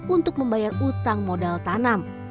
untuk membayar utang modal tanam